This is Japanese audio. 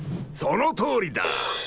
そのとおりだ！